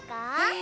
え。